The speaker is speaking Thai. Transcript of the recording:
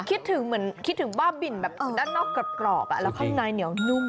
คิดถึงแบบบ้าบินด้านนอกกรอบแล้วข้างในนี่เหงี่ยวนุ่ม